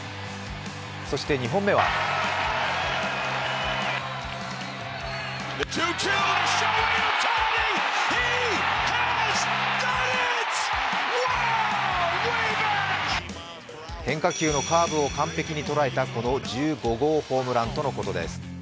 そして２本目は変化球のカーブを完璧にとらえたこの１５号ホームランとのことです。